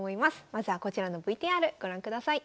まずはこちらのＶＴＲご覧ください。